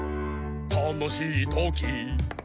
「たのしいとき」